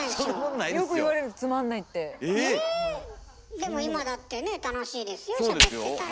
でも今だってね楽しいですよしゃべってたら。